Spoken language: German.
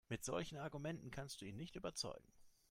Mit solchen Argumenten kannst du ihn nicht überzeugen.